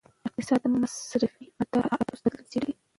اقتصاد د مصرفي عادتونو بدلون څیړي.